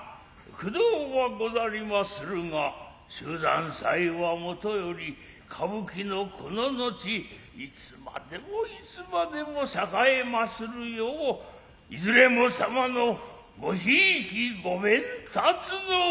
苦労はござりまするが秀山祭はもとより歌舞伎のこの後いつまでもいつまでも栄えまするよういずれも様のご贔屓ご鞭撻のほどを。